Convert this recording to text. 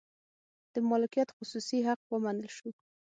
د مالکیت خصوصي حق ومنل شو.